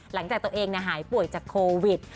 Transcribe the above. หลังจากตัวเองหายป่วยจากโควิด